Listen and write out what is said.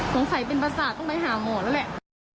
สงสัยเป็นประสาทต้องไปหาหมอแล้วแหละ